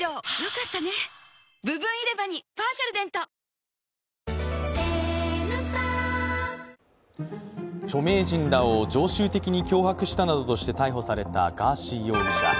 総理の胸のうちについて官邸幹部は著名人らを常習的に脅迫したなどとして逮捕されたガーシー容疑者。